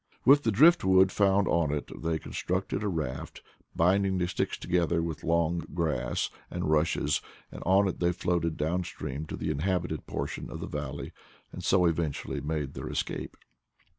With the drift wood found on it they constructed a raft, binding the sticks together with long grass and rushes, and on it they floated down stream to the inhabited portion of the valley, and so eventually made their escape.